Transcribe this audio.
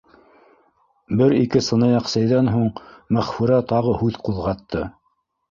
Бер-ике сынаяҡ сәйҙән һуң Мәғфүрә тағы һүҙ ҡуҙғатты: